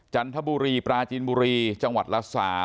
จันทบุรีปราจินบุรีจังหวัดละ๓